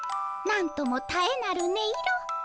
なんともたえなる音色。